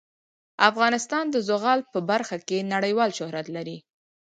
افغانستان د زغال په برخه کې نړیوال شهرت لري.